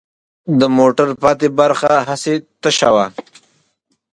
د موټر پاتې برخه هسې تشه وه.